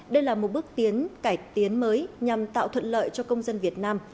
đây là một bước tiến cải tiến mới nhằm tạo thuận lợi cho công dân việt nam